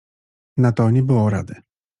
Na to nie było rady.